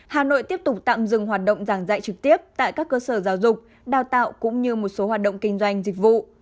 hà nội tiếp tục tạm dừng hoạt động giảng dạy trực tiếp tại các cơ sở giáo dục đào tạo cũng như một số hoạt động kinh doanh dịch vụ